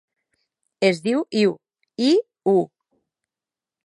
Es diu Iu: i, u.